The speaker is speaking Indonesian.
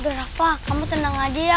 udah rafa kamu tenang aja ya